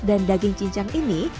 dan daging cincang ini